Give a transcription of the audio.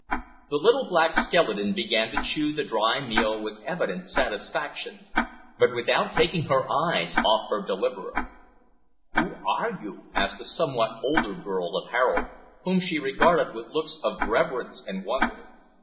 The little black skeleton began to chew the dry meal with evident satisfaction, but without taking her eyes off her deliverer. "Who are you?" asked a somewhat older girl of Harold, whom she regarded with looks of reverence and wonder.